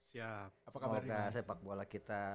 semoga sepak bola kita